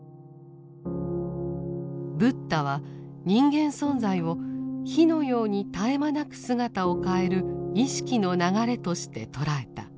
ブッダは人間存在を「火」のように絶え間なく姿を変える意識の流れとして捉えた。